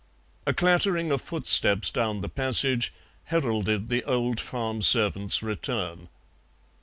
A clattering of footsteps down the passage heralded the old farm servant's return.